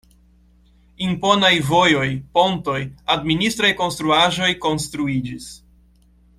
Imponaj vojoj, pontoj, administraj konstruaĵoj konstruiĝis.